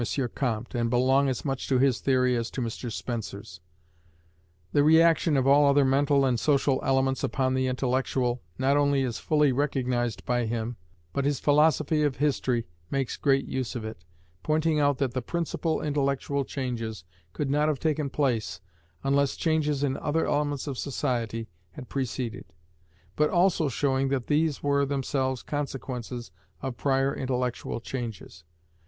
Comte, and belong as much to his theory as to Mr Spencer's. The re action of all other mental and social elements upon the intellectual not only is fully recognized by him, but his philosophy of history makes great use of it, pointing out that the principal intellectual changes could not have taken place unless changes in other elements of society had preceded; but also showing that these were themselves consequences of prior intellectual changes.